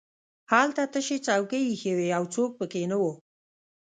هلته تشې څوکۍ ایښې وې او څوک پکې نه وو